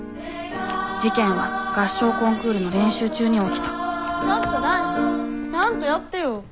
事件は合唱コンクールの練習中に起きたちょっと男子ちゃんとやってよ。